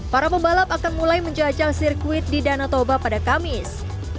para pembalap akan mulai menjajah sirkuit di danau toba pada kamis